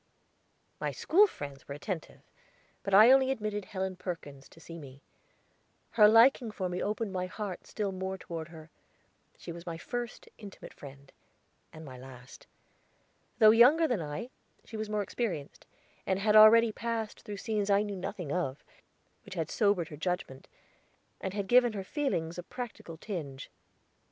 My school friends were attentive, but I only admitted Helen Perkins to see me. Her liking for me opened my heart still more toward her. She was my first intimate friend and my last. Though younger than I, she was more experienced, and had already passed through scenes I knew nothing of, which had sobered her judgment, and given her feelings a practical tinge.